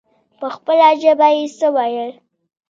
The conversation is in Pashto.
په خپله ژبه يې څه ويل.